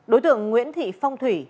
đối tượng nguyễn thị phong thủy